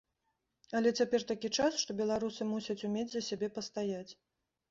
Але цяпер такі час, што беларусы мусяць умець за сябе пастаяць.